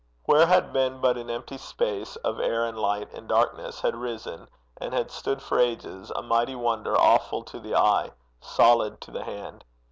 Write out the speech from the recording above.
Where had been but an empty space of air and light and darkness, had risen, and had stood for ages, a mighty wonder awful to the eye, solid to the hand.